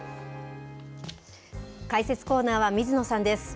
解説コーナーは水野さんです。